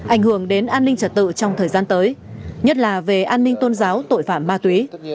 ảnh hưởng đến an ninh trật tự trong thời gian tới nhất là về an ninh tôn giáo tội phạm ma túy